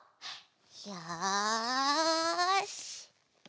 よし！